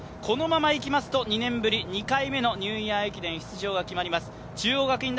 このままいきますと、２年ぶり２回目のニューイヤー駅伝出場が決まります。